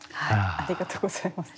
ありがとうございます。